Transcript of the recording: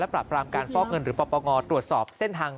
ปราบรามการฟอกเงินหรือปปงตรวจสอบเส้นทาง